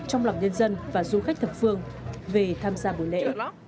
trong lòng nhân dân và du khách thập phương về tham gia buổi lễ